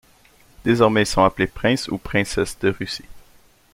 Désormais ils sont appelés princes ou princesses de Russie.